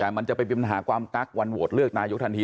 แต่มันจะไปเป็นปัญหาความกั๊กวันโหวตเลือกนายกทันที